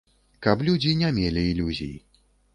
Каб людзі не мелі ілюзій.